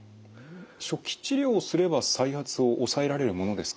初期治療をすれば再発を抑えられるものですかね？